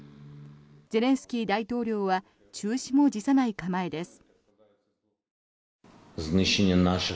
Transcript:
ゼレンスキー大統領は中止も辞さない構えです。